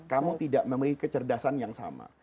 kamu tidak memiliki kecerdasan yang sama